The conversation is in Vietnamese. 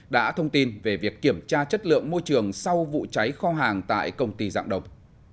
đã thông tin về việc kiểm tra chất lượng môi trường sau vụ cháy kho hàng tại công ty dạng đồng